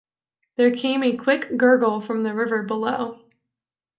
There came a quick gurgle from the river below.